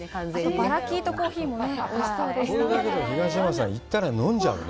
バラキートコーヒーもおいしそうでしたね。